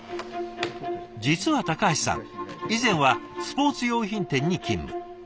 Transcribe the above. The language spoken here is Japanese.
実は橋さん以前はスポーツ用品店に勤務。